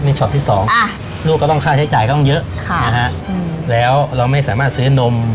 มีช็อตที่สองลูกก็ต้องค่าใช้จ่ายก็ต้องเยอะค่ะนะฮะแล้วเราไม่สามารถซื้อนม